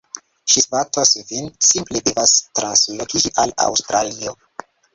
Ŝi svatos vin. Simple devas translokiĝi al Aŭstralio